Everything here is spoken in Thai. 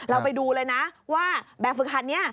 เราไปดูเลยนะว่าแบบฝึกคันนี้